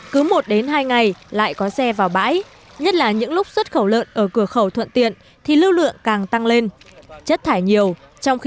cứ một đến hai ngày lại có xe vào bãi nhất là những lúc xuất khẩu lợn ở cửa khẩu thuận tiện thì lưu lượng càng tăng lên